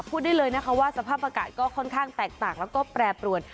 พูดได้เลยนะคะว่าสภาพอากาศก็ค่อนข้างแตกต่างแล้วก็แปรปรวน